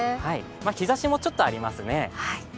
日ざしもちょっとありますね。